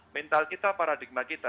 mental kita paradigma kita